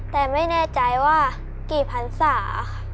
แต่ไม่แน่ใจว่ากี่พันศาค่ะ